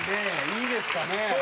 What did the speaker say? いいですか？